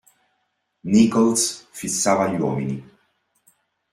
Nichols fissava gli uomini.